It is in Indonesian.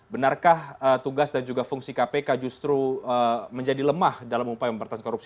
benarkah tugas dan juga fungsi kpk justru menjadi lemah dalam upaya mempertahan korupsi